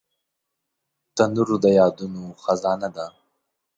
تنور د یادونو خزانه ده